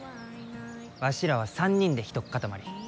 わしらは３人でひとっかたまり。